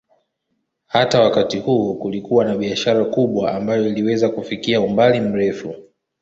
Hata wakati huo kulikuwa na biashara kubwa ambayo iliweza kufikia umbali mrefu.